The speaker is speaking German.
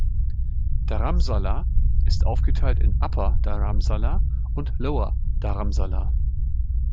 Dharamsala ist aufgeteilt in "Upper Dharamsala" und "Lower Dharamsala".